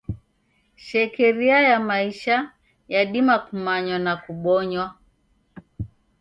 Shekeria ya maisha yadima kumanywa na kubonywa.